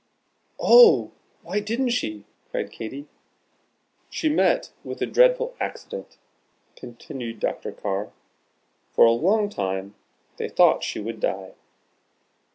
"Oh! why didn't she?" cried Katy. "She met with a dreadful accident," continued Dr. Carr. "For a long time they thought she would die.